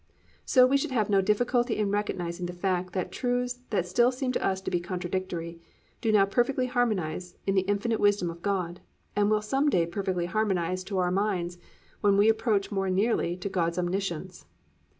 So we should have no difficulty in recognising the fact that truths that still seem to us to be contradictory, do now perfectly harmonise in the infinite wisdom of God, and will some day perfectly harmonise to our minds when we approach more nearly to God's omniscience.